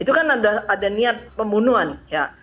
itu kan ada niat pembunuhan ya